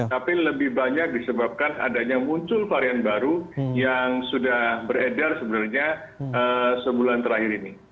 tapi lebih banyak disebabkan adanya muncul varian baru yang sudah beredar sebenarnya sebulan terakhir ini